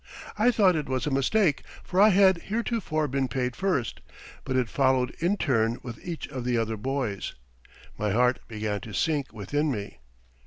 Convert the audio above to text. I thought it was a mistake, for I had heretofore been paid first, but it followed in turn with each of the other boys. My heart began to sink within me.